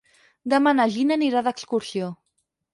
Demà na Gina anirà d'excursió.